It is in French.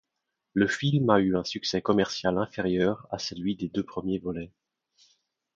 Le film a eu un succès commercial inférieur à celui des deux premiers volets.